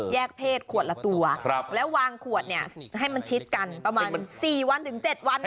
เพศขวดละตัวแล้ววางขวดเนี่ยให้มันชิดกันประมาณ๔วันถึง๗วัน